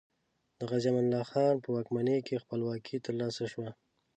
د غازي امان الله خان په واکمنۍ کې خپلواکي تر لاسه شوه.